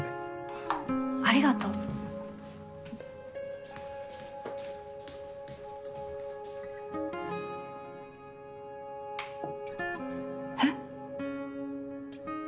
えっありがとう。えっ？